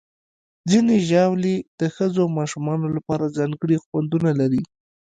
ځینې ژاولې د ښځو او ماشومانو لپاره ځانګړي خوندونه لري.